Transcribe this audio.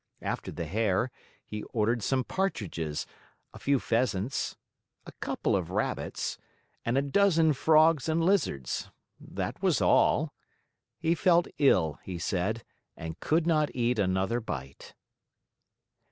After the hare, he ordered some partridges, a few pheasants, a couple of rabbits, and a dozen frogs and lizards. That was all. He felt ill, he said, and could not eat another bite.